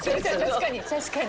確かに。